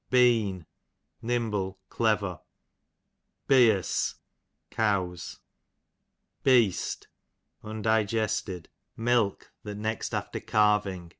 Been, nimble, clever. Beeos, cows. Beest, undigested milk, that next after calving.